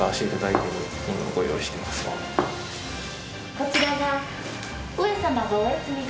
こちらが。